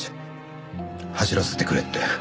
走らせてくれって。